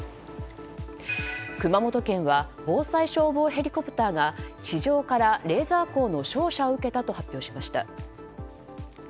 熊本県は防災消防ヘリコプターが地上からレーザー光の照射を受けたと発表しました。